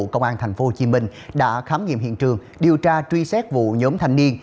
công an thành phố hồ chí minh đã khám nghiệm hiện trường điều tra truy xét vụ nhóm thanh niên